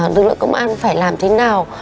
lực lượng công an phải làm thế nào